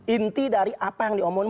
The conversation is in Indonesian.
inti dari apa yang diomongkan